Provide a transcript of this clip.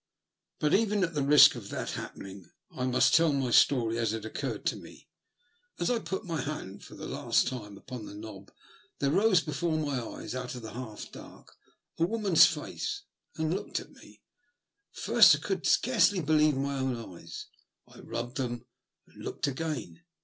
But, even at the risk of that happening, I must tell my story as it occurred to me. As I put my hand for the last time upon the knob there rose before my eyes, out of the half dark, a woman's face, and looked at me. At first I could scarcely believe my own eyes. I rubbed them and looked again.